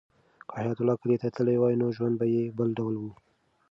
که حیات الله کلي ته تللی وای نو ژوند به یې بل ډول و.